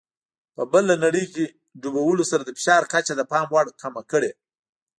په بله نړۍ کې ډوبولو سره د فشار کچه د پام وړ کمه کړي.